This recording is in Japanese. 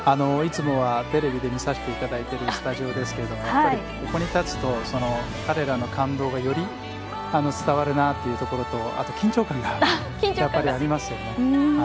いつもはテレビで見せていただいているスタジオですがここに立つと彼らの感動がより伝わるなというところと緊張感がやっぱりありますよね。